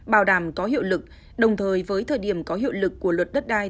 bảo đảm có hiệu lực đồng thời với thời điểm có hiệu lực của luật đất đai